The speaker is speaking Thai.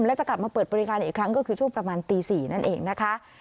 และจะกลับมาเปิดบริการอีกครั้งก็คือช่วงประมาณตี๔นั่นเองนะคะ